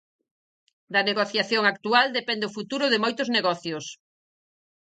Da negociación actual depende o futuro de moitos negocios.